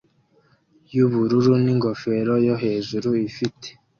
yubururu n'ingofero yo hejuru ifite